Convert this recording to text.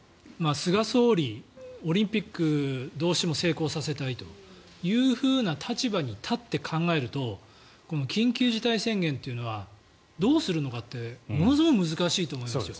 菅総理、オリンピックをどうしても成功させたいという立場に立って考えると緊急事態宣言というのはどうするのかってものすごく難しいと思うんです。